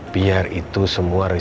biar itu semua risiko